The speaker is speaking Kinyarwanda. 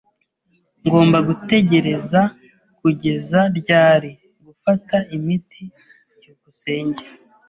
Ngomba gutegereza kugeza ryari gufata imiti? byukusenge